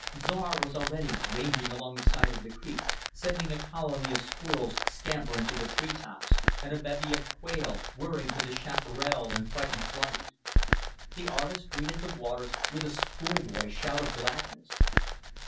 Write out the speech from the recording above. Czar was already ranging along the side of the creek sending a colony of squirrels scampering to the tree tops, and a bevy of quail whirring to the chaparral in frightened flight. The artist greeted the waters with a schoolboy shout of gladness.